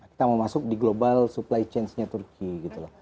kita mau masuk di global supply chainnya turki gitu loh